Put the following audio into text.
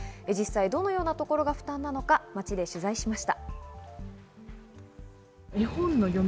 どのようなところが負担なのか街で取材しました。